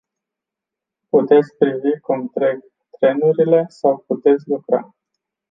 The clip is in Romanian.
Puteți privi cum trec trenurile sau puteți lucra.